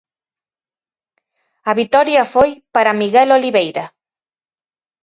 A vitoria foi para Miguel Oliveira.